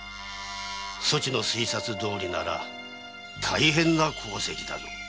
そちの推察どおりなら大変な功績だ。